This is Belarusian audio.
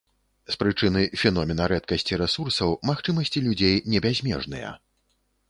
З прычыны феномена рэдкасці рэсурсаў, магчымасці людзей не бязмежныя.